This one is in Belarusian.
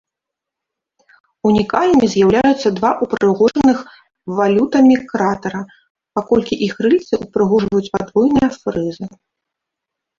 Унікальнымі з'яўляюцца два упрыгожаных валютамі кратара, паколькі іх рыльцы ўпрыгожваюць падвойныя фрызы.